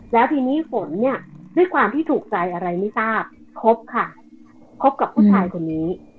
แล้วทีนี้ฝนเนี่ยด้วยความที่ถูกใจอะไรไม่ทราบครบค่ะคบกับผู้ชายคนนี้